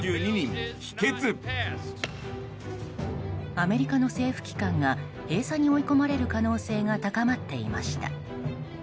アメリカの政府機関が閉鎖に追い込まれる可能性が高まっていました。